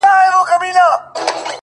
• ته به خبره نه یې ,